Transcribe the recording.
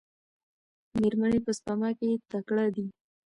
میرمنې په سپما کې تکړه دي.